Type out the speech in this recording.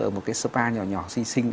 ở một cái spa nhỏ nhỏ xinh xinh